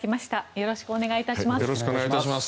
よろしくお願いします。